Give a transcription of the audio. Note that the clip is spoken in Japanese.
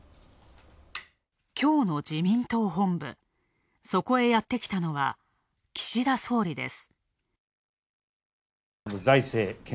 きょうの自民党本部、そこへやってきたのは、岸田総理です。